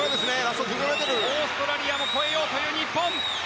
オーストラリアを超えようという日本。